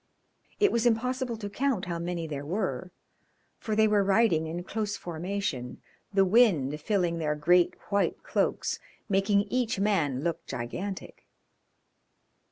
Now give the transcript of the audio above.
It was impossible to count how many there were, for they were riding in close formation, the wind filling their great white cloaks, making each man look gigantic.